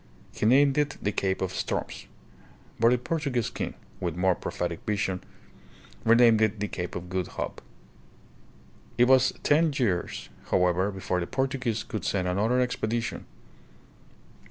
He. named it the Cape of Storms; but the Portuguese king, with more prophetic vision, renamed it the Cape of Good Hope. It was ten years, however, before the Portuguese could send another expedition.